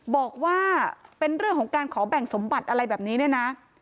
บอกว่าเป็นเรื่องของการขอแบ่งสมบัติอะไรแบบนี้เนี่ยนะ